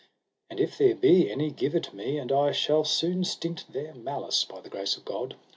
An if there be any give it me, and I shall soon stint their malice, by the grace of God.